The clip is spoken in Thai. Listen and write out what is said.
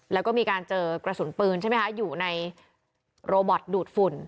แล้วก็มีการเจอกระสุนปืนใช่ไหมคะอยู่ในโรบอตดูดฝุ่น